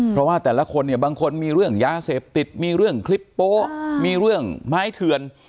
เพราะว่าแต่ละคนเนี่ยบางคนมีเรื่องยาเสพติดมีเรื่องคลิปโป๊ะมีเรื่องไม้เถื่อน